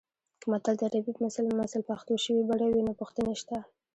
که متل د عربي مثل پښتو شوې بڼه وي نو پوښتنې شته